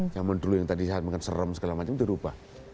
zaman dulu yang tadi serem segala macam itu dirubah